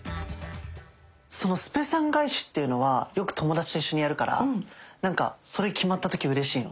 そのスぺ３返しっていうのはよく友達と一緒にやるからなんかそれ決まった時うれしいの。